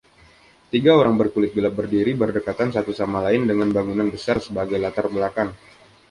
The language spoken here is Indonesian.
Tiga orang berkulit gelap berdiri berdekatan satu sama lain dengan bangunan besar sebagai latar belakang.